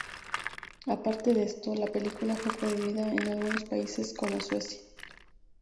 Aparte de esto, la película fue prohibida en algunos países como Suecia.